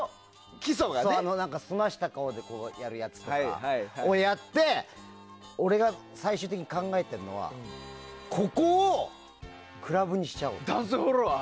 すました顔でやるやつとかをやって俺が最終的に考えてるのはここをクラブにしちゃおう。